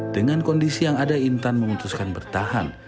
dengan kondisi yang ada intan memutuskan bertahan